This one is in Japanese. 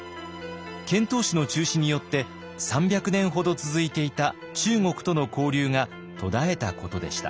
遣唐使の中止によって３００年ほど続いていた中国との交流が途絶えたことでした。